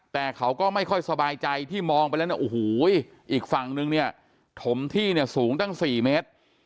แต่เขาก็ไม่ค่อยสบายใจที่มองไปแล้วเนี่ยโอ้โหอีกฝั่งนึงเนี่ยถมที่เนี่ยสูงตั้ง๔เมตร